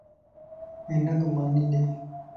ھنک ماني ڏي